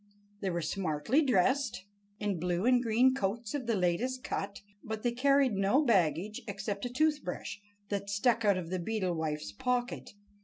They were smartly dressed in blue and green coats of the latest cut, but they carried no baggage except a tooth brush, that stuck out of the Beetle's wife's pocket.